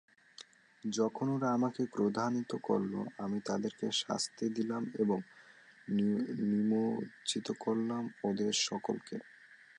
যখন ওরা আমাকে ক্রোধান্বিত করল আমি তাদেরকে শাস্তি দিলাম এবং নিমজ্জিত করলাম ওদের সকলকে।